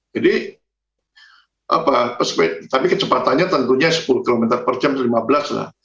jadi apa tapi kecepatannya tentunya sepuluh km per jam lima belas lah